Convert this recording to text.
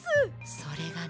それがね。